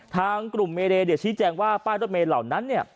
ทางกลุ่มเมเดย์ชี้แจงว่าป้ายรถเมย์เหล่านั้นเนี่ย